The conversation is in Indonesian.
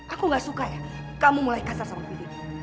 aku nggak suka ya kamu mulai kasar sama fiddy